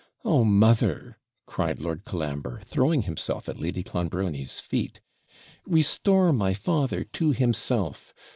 Oh, mother!' cried Lord Colambre, throwing himself at Lady Clonbrony's feet, 'restore my father to himself!